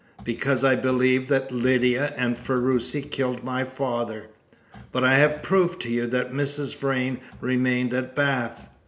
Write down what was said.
"Because I believe that Lydia and Ferruci killed my father." "But I have proved to you that Mrs. Vrain remained at Bath."